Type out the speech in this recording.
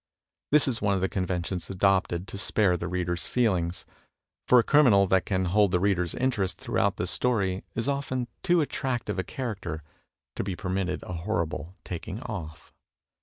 This is one of the conven tions adopted to spare the reader's feelings. For a criminal that can hold the reader's interest throughout the story is often too attractive a character to be permitted a horrible taking off.